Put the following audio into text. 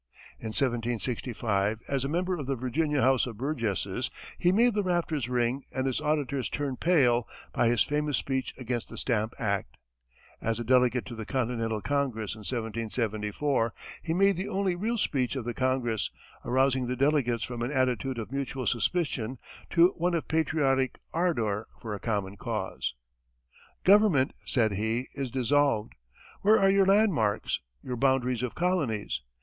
In 1765, as a member of the Virginia House of Burgesses, he made the rafters ring and his auditors turn pale by his famous speech against the stamp act; as a delegate to the Continental Congress in 1774, he made the only real speech of the Congress, arousing the delegates from an attitude of mutual suspicion to one of patriotic ardor for a common cause. "Government," said he, "is dissolved. Where are your landmarks, your boundaries of colonies?